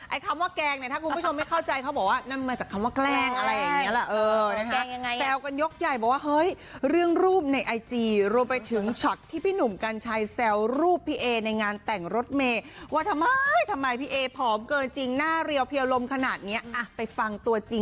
ไอ้คำว่าแกล้งถ้าคุณผู้ชมไม่เข้าใจเขาบอกว่านั่นมันมาจากคำว่าแกล้งอะไรอย่างนี้แหละ